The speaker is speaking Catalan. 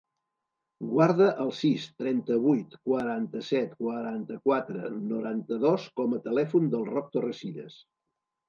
Guarda el sis, trenta-vuit, quaranta-set, quaranta-quatre, noranta-dos com a telèfon del Roc Torrecillas.